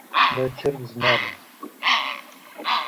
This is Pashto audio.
دا چرګ زما ده